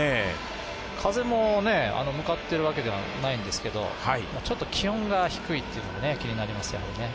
風も向かっているわけではないんですけどもちょっと気温が低いのが気になりますね。